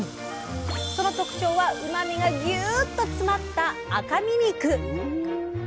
その特徴はうまみがギュッと詰まった赤身肉！